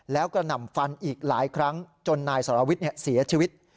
แล้วกระหน่ำฟันอีกหลายครั้งจนนายสรวิทย์เสียชีวิต